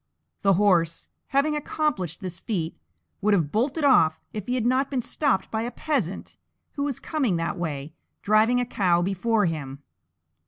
The horse, having accomplished this feat, would have bolted off if he had not been stopped by a Peasant who was coming that way, driving a cow before him.